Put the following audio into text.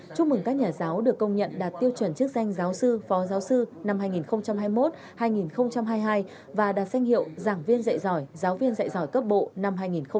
chúc mừng các nhà giáo được công nhận đạt tiêu chuẩn chức danh giáo sư phó giáo sư năm hai nghìn hai mươi một hai nghìn hai mươi hai và đạt danh hiệu giảng viên dạy giỏi giáo viên dạy giỏi cấp bộ năm hai nghìn hai mươi